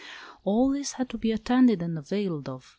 All these had to be attended and availed of.